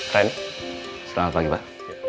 ren selamat pagi pak